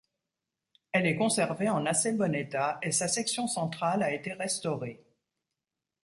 Elle est conservée en assez bon état et sa section centrale a été restaurée.